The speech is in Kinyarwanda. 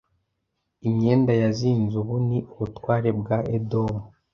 imyenda yazinze Ubu ni ubutware bwa Edomu